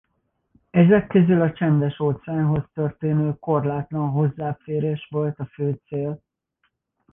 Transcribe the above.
Ezek közül a Csendes-óceánhoz történő korlátlan hozzáférés volt a fő cél.